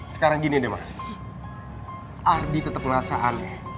sekarang gini deh ma ardi tetep merasa aneh